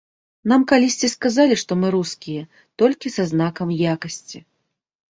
Нам калісьці сказалі, што мы рускія, толькі са знакам якасці.